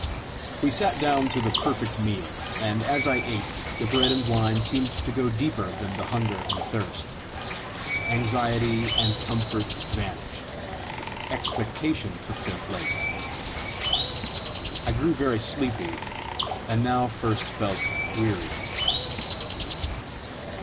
We sat down to the perfect meal; and as I ate, the bread and wine seemed to go deeper than the hunger and thirst. Anxiety and discomfort vanished; expectation took their place. I grew very sleepy, and now first felt weary.